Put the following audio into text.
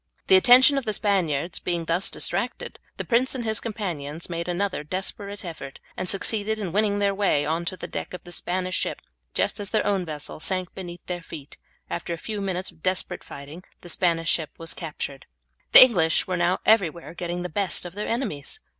The attention of the Spaniards being thus distracted, the prince and his companions made another desperate effort, and succeeded in winning their way on to the deck of the Spanish ship just as their own vessel sank beneath their feet; after a few minutes' desperate fighting the Spanish ship was captured. The English were now everywhere getting the best of their enemies.